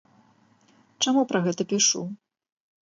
Чаму пра гэта пішу?